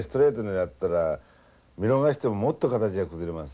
狙ってたら見逃してももっと形が崩れますよ。